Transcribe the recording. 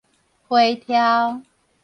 花柱